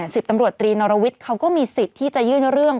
สิบตำรวจตรีนรวิทย์เขาก็มีสิทธิ์ที่จะยื่นเรื่อง